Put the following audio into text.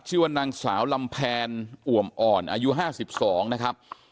ชื่อว่านางสาวลำแพนอ่วมอ่อนอายุ๕๒นะครับ